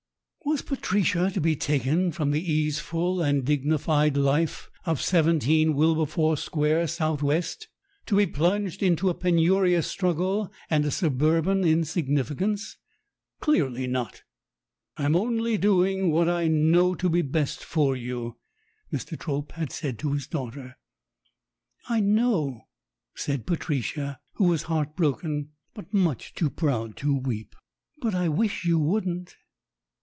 Was Patricia to be taken from the easeful and dignified life of 17 Wilberforce Square, S.W., to be plunged into a penurious struggle and a suburban insignificance? Clearly not. "I'm only do ing what I know to be best for you," Mr. Trope had said to his daughter. "I know," said Patricia, who was heart broken, but much too proud to weep. "But I wish you wouldn't."